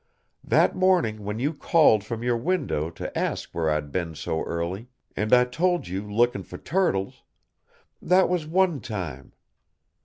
That morning when you called from your window to ask where I'd been so early, and I told you looking for turtles that was one time.